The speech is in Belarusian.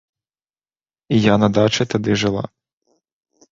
Я на дачы тады жыла.